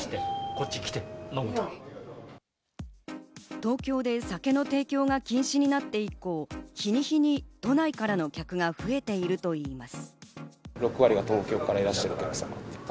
東京で酒の提供が禁止になって以降、日に日に都内からの客が増えているといいます。